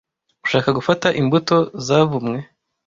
ushaka gufata imbuto zavumwe